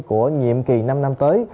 của nhiệm kỳ năm năm tới